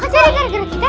kok jadi gara gara kita ya